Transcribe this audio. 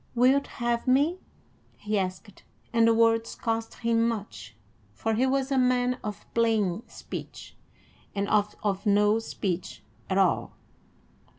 "Wilt have me?" he asked, and the words cost him much, for he was a man of plain speech, and oft of no speech at all.